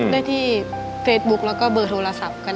ได้ที่เฟซบุ๊กแล้วก็เบอร์โทรศัพท์กัน